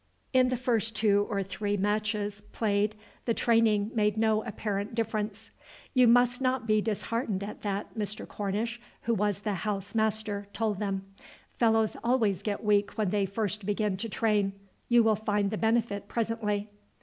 In the first two or three matches played the training made no apparent difference. "You must not be disheartened at that," Mr. Cornish, who was the "housemaster," told them. "Fellows always get weak when they first begin to train. You will find the benefit presently."